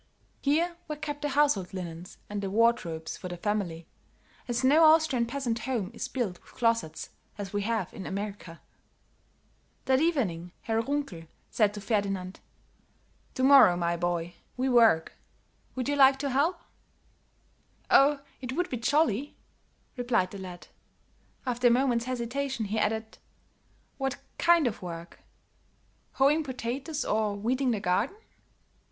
Here were kept the household linens and the wardrobes for the family, as no Austrian peasant home is built with closets as we have in America. That evening, Herr Runkel said to Ferdinand: "To morrow, my boy, we work. Would you like to help?" "Oh, it would be jolly," replied the lad. After a moment's hesitation, he added: "What kind of work? Hoeing potatoes or weeding the garden?"